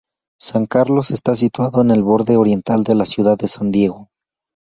San Carlos está situado en el borde oriental de la ciudad de San Diego.